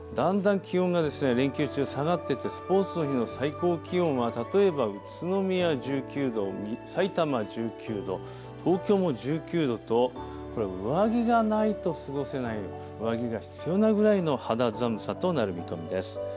だんだん気温が連休中下がっていってスポーツの日の最高気温は例えば宇都宮１９度、さいたま１９度、東京も１９度と上着がないと過ごせない、上着が必要なぐらいの肌寒さとなる見込みです。